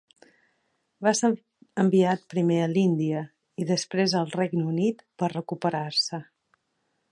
Va ser enviat primer a l'Índia i després al Regne Unit per recuperar-se.